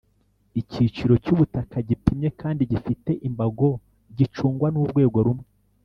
icyiciro cy’ubutaka gipimye kandi gifite imbago gicungwa n’urwego rumwe